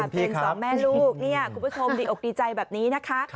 สองแม่ลูกเนี่ยคุณผู้ชมดีอกดีใจแบบนี้นะคะ